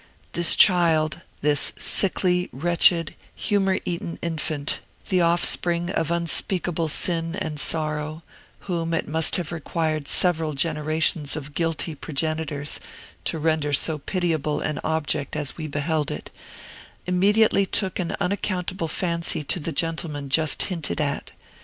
This child this sickly, wretched, humor eaten infant, the offspring of unspeakable sin and sorrow, whom it must have required several generations of guilty progenitors to render so pitiable an object as we beheld it immediately took an unaccountable fancy to the gentleman just hinted at.